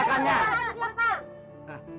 siapa yang mengatakannya